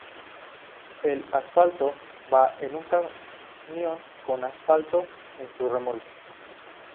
El asfalto va en un camión con asfalto en su remolque.